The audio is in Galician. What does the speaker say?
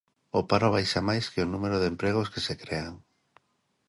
O paro baixa máis que o número de empregos que se crean.